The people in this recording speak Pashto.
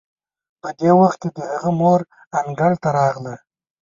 په دې وخت کې د هغه مور انګړ ته راغله.